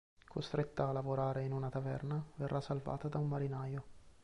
Costretta a lavorare in una taverna, verrà salvata da un marinaio.